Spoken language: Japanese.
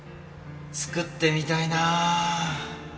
作ってみたいなぁ。